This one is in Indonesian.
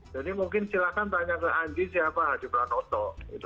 jadi mungkin silahkan tanya ke anji siapa hadi pranoto